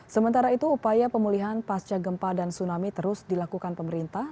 sementara itu upaya pemulihan pasca gempa dan tsunami terus dilakukan pemerintah